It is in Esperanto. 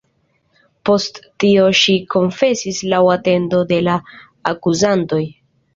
Post tio ŝi konfesis laŭ atendo de la akuzantoj.